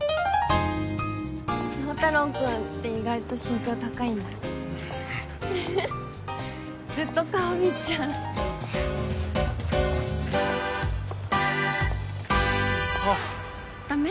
祥太郎君って意外と身長高いんだずっと顔見ちゃうあダメ？